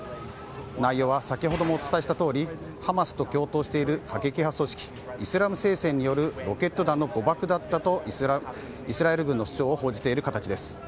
内容は先ほどもお伝えしたとおりハマスと共闘している過激派組織イスラエル聖戦によるロケット弾の誤爆だったとイスラエル軍の主張は報じている形です。